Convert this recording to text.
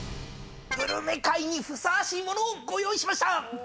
グルメ回にふさわしい物をご用意しました！